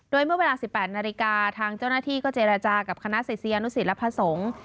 โดยเมื่อเวลา๑๘นาฬิกาทางเจ้านาฬีก็เจรจากับคณะเศษียนุสิรพสงฆ์